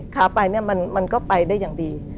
ขาไปเนี่ยมันก็ไปได้อย่างดี